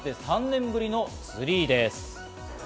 ３年ぶりのツリーです。